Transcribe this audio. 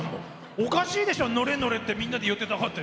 おかしいでしょ乗れ、乗れってみんなで寄ってたかって。